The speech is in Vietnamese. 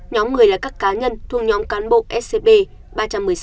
nhóm người là các cá nhân thuộc nhóm cán bộ scb ba trăm một mươi sáu người